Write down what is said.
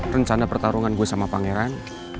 rencana pertarungan gue sama pangeran